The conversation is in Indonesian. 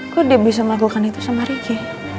kok dia bisa melakukan itu sama ricky